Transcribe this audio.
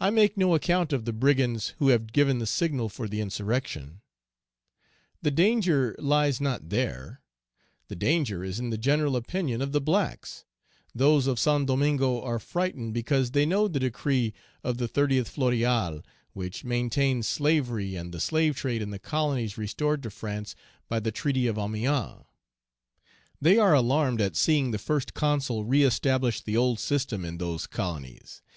I make no account of the brigands who have given the signal for the insurrection. The danger lies not there; the danger is in the general opinion of the blacks; those of Saint Domingo are frightened because they know the decree of the 30th Floréal, which maintains slavery and the slave trade in the colonies restored to France by the treaty of Amiens. They are alarmed at seeing the First Consul reëstablish the old system in those colonies.